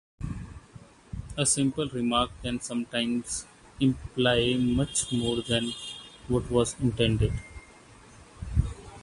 A simple remark can sometimes imply much more than what was intended.